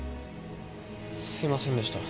すいませんでした。